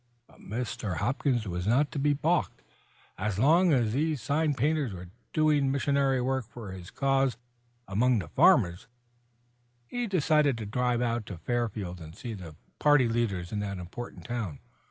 But Mr. Hopkins was not to be balked. As long as these sign painters were doing missionary work for his cause among the farmers, he decided to drive over to Fairview and see the party leaders in that important town.